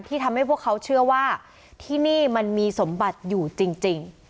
ทำให้พวกเขาเชื่อว่าที่นี่มันมีสมบัติอยู่จริง